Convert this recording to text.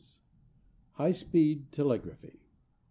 HIGH SPEED TELEGRAPHY.